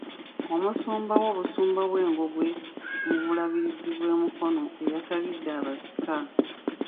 Omusumba w'obusumba bw'e Ngogwe mu Bulabirizi bw'e Mukono eyasabidde abasika